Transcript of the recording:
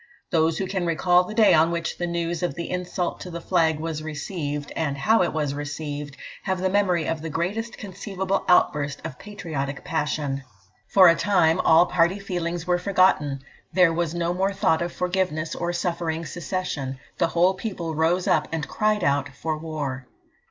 Those who can recall the day on which the news of the insult to the flag was received, and how it was received, have the memory of the greatest conceivable outburst of patriotic passion. For a time, all party feelings were forgotten; there was no more thought of forgiveness, or suffering secession; the whole people rose up and cried out for war.